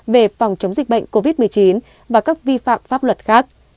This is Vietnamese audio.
về phòng chống dịch bệnh covid một mươi chín và các vi phạm pháp luật khác